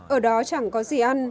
ở đó chẳng có gì